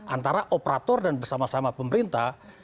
antara operator dan bersama sama pemerintah